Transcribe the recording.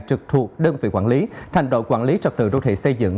trực thuộc đơn vị quản lý thành đội quản lý trật tự đô thị xây dựng